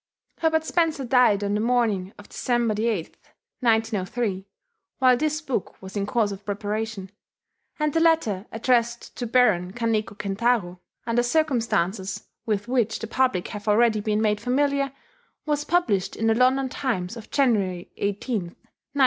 Herbert Spencer died on the morning of December 8th, 1903 (while this book was in course of preparation); and the letter, addressed to Baron Kaneko Kentaro, under circumstances with which the public have already been made familiar, was published in the London Times of January 18th, 1904.